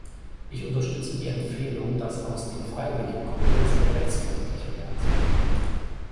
Ich unterstütze die Empfehlung, dass aus dem freiwilligen Kodex ein rechtsverbindlicher werden sollte.